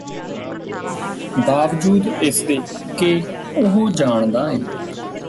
ਬਾਵਜੂਦ ਇਸਦੇ ਕਿ ਉਹ ਜਾਣਦਾ ਏ